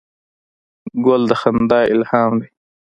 ګل د خندا الهام دی.